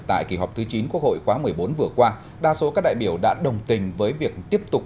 tại kỳ họp thứ chín quốc hội quá một mươi bốn vừa qua đa số các đại biểu đã đồng tình với việc tiếp tục